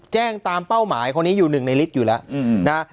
แจ้งตามเป้าหมายคนนี้อยู่หนึ่งในลิตรอยู่แล้วนะ